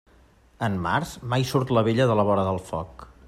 En març, mai surt la vella de la vora del foc.